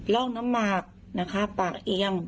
ร่องน้ำหมากนะคะปากเอียง